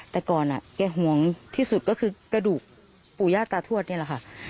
แต่ก่อนแกห่วงที่สุดก็คือกระดูกปู่ย่าตาทวดนี่แหละค่ะ